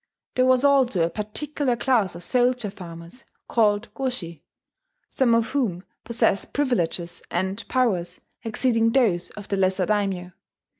There was also a particular class of soldier farmers, called goshi, some of whom possessed privileges and powers exceeding those of the lesser daimyo.